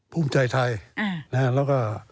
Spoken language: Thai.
ภูมิใจไทยแล้วก็